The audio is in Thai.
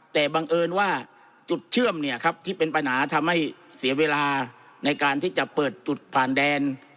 แต่บังเอิญว่าจุดเชื่อมเนี่ยครับที่เป็นปัญหาทำให้เสียเวลาในการที่จะเปิดจุดผ่านแดน